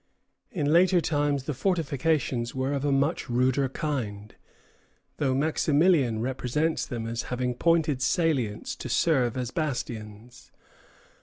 In later times the fortifications were of a much ruder kind, though Maximilian represents them as having pointed salients to serve as bastions.